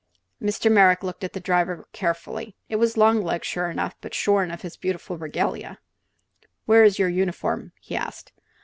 Mr. Merrick looked at the driver carefully. It was long legs, sure enough, but shorn of his beautiful regalia. "Where's your uniform?" he asked.